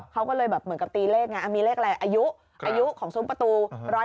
เขาก็เลยแบบเหมือนกับตีเลขไงมีเลขอะไรอายุของซุ้มประตู๑๒